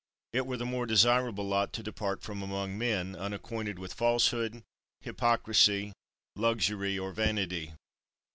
2. It were the more desirable lot to depart from among men, unacquainted with falsehood, hypocrisy, luxury, or vanity.